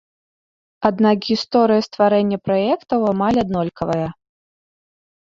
Аднак гісторыя стварэння праектаў амаль аднолькавая.